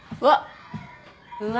うわ。